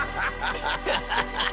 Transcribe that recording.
ハハハハッ！